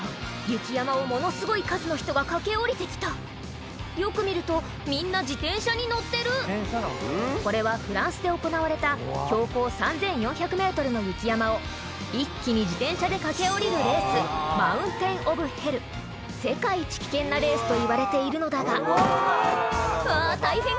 雪山をものすごい数の人が駆け降りて来たよく見るとみんな自転車に乗ってるこれはフランスで行われた標高３４００ｍの雪山を一気に自転車で駆け降りるレースマウンテン・オブ・ヘル世界一危険なレースといわれているのだがうわ大変！